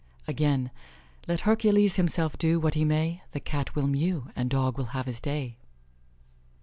Again: "Let Hercules himself do what he may, The Cat will mew, and Dog will have his day."